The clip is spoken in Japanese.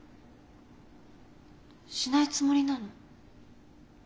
しないつもりなの？